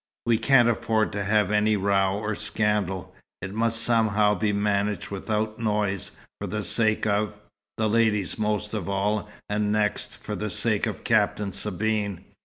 "We can't afford to have any row or scandal. It must somehow be managed without noise, for the sake of the ladies, most of all, and next, for the sake of Captain Sabine.